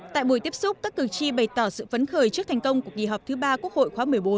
tại buổi tiếp xúc các cử tri bày tỏ sự phấn khởi trước thành công của kỳ họp thứ ba quốc hội khóa một mươi bốn